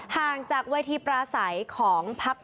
ห่างจากวัยที่ประสัยของพักพุทธ